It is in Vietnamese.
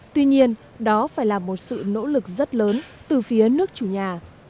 tuy nhiên đó phải là một sự nỗ lực rất lớn từ phía nước chủ nhà